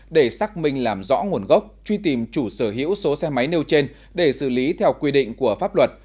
để xác minh làm rõ nguồn gốc truy tìm chủ sở hữu số xe máy nêu trên để xử lý theo quy định của pháp luật